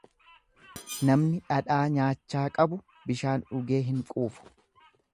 Namni dhadhaa nyaachaa qabu bishaan dhugee hin quufu.